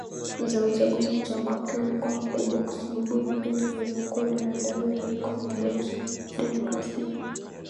za uchaguzi mchango wake ulikuwa mkubwa kwa sababu vipindi vilivyokuwa vinaandaliwa vilikuwa vinaboresha demokrasia